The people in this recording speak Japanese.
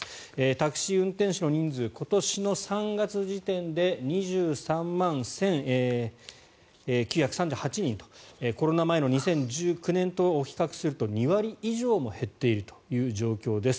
タクシー運転手の人数今年の３月時点で２３万１９３８人とコロナ前の２０１９年と比較すると２割以上も減っているという状況です。